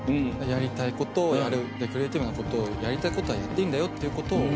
やりたいことをやるクリエーティブなことをやりたいことはやっていいんだよっていうことを。